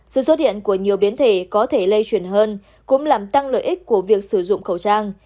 sự xuất hiện của nhiều biến thể có thể lây truyền hơn cũng làm tăng lợi ích của việc sử dụng khẩu trang